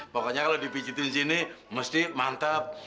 pokoknya kalau dipicitin sini mesti mantap